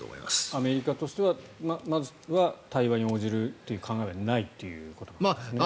アメリカとしてはまずは対話に応じるという考えはないということですね。